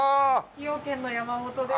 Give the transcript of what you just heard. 崎陽軒の山本です。